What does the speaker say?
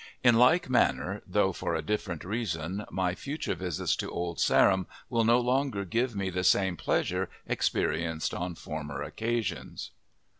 In like manner, though for a different reason, my future visits to Old Sarum will no longer give me the same pleasure experienced on former occasions.